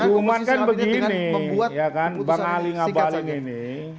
hukuman kan begini ya kan bang ali ngabalin ini